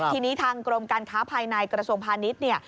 ทีนี้ทางกรมการข้าวภายในกระทรวมพาณิชย์